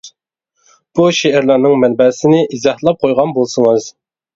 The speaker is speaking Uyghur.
بۇ شېئىرلارنىڭ مەنبەسىنى ئىزاھلاپ قويغان بولسىڭىز.